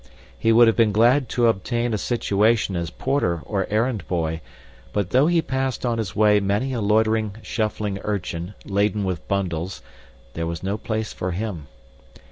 He would have been glad to obtain a situation as porter or errand boy, but though he passed on his way many a loitering shuffling urchin, laden with bundles, there was no place for him.